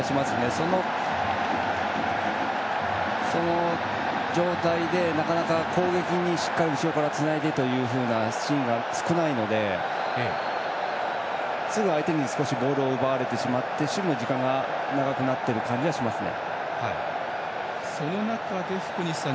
その状態でなかなか攻撃で後ろからつないでというふうなシーンが少ないので、すぐ相手にボールを奪われてしまって守備の時間がその中で、福西さん